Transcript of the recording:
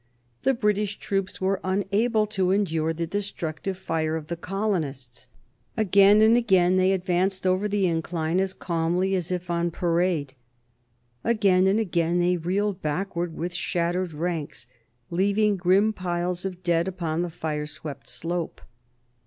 The British troops were unable to endure the destructive fire of the colonists. Again and again they advanced over the incline as calmly as if on parade; again and again they reeled backward with shattered ranks, leaving grim piles of dead upon the fire swept slope.